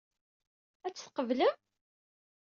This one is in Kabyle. Ad t-tqeblem?